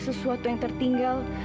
sesuatu yang tertinggal